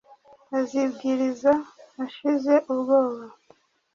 azibwiriza ashize ubwoba,